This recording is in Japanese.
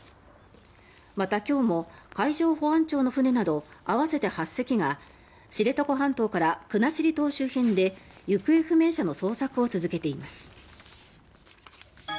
また、今日も海上保安庁の船など合わせて８隻が知床半島から国後島周辺で行方不明者の捜索を続けています。